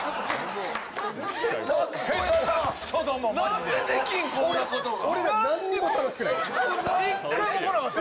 なんでできん、こんなことが。